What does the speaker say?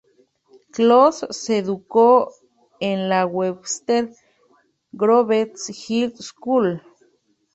Kloss se educó en la Webster Groves High School.